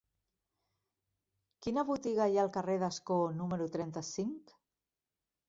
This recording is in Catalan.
Quina botiga hi ha al carrer d'Ascó número trenta-cinc?